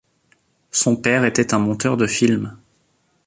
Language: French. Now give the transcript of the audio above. Son père était un monteur de film.